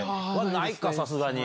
ないかさすがに。